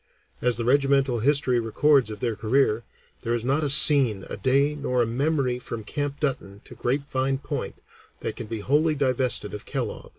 As the regimental history records of their career "there is not a scene, a day, nor a memory from Camp Dutton to Grapevine Point that can be wholly divested of Kellogg.